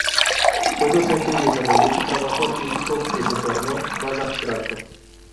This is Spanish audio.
Fue docente y desarrolló su trabajo artístico que se tornó más abstracto.